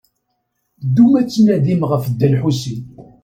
Ddum ad d-tnadim ɣef Dda Lḥusin.